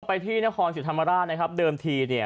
ไปที่นครศรีธรรมราชนะครับเดิมทีเนี่ย